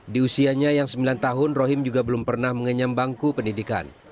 di usianya yang sembilan tahun rohim juga belum pernah mengenyam bangku pendidikan